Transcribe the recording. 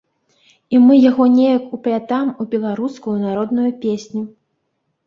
І мы яго неяк уплятаем у беларускую народную песню.